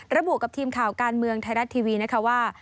ระบุกับทีมข่าวการเมืองไทยรัฐทีวีนะคะว่า